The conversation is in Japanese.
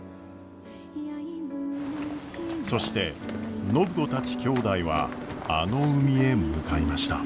そして暢子たちきょうだいはあの海へ向かいました。